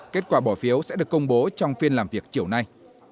kết quả bỏ phiếu sẽ được công bố trong phiên làm việc chiều nay